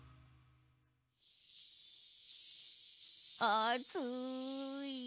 あつい。